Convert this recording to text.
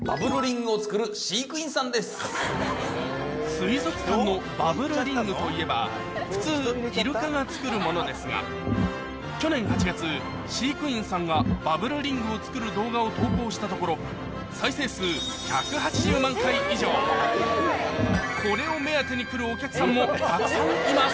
水族館のバブルリングといえば普通イルカが作るものですが去年８月飼育員さんがバブルリングを作る動画を投稿したところこれを目当てに来るお客さんもたくさんいます